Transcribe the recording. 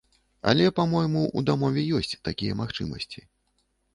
Але, па-мойму, у дамове ёсць такія магчымасці.